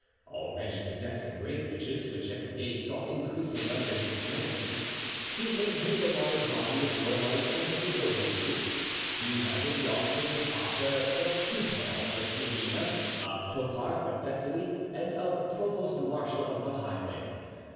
Already possessing great riches, which every day saw increasing under his management, he maintained a large body of warlike and devoted troops, he united the offices of Pacha of two tails of Janina, of Toparch of Thessaly, and of Provost Marshal of the Highway.